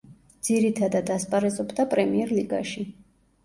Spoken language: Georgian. ძირითადად ასპარეზობდა პრემიერ-ლიგაში.